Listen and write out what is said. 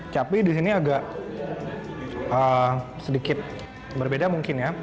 tapi di sini agak sedikit berbeda mungkin ya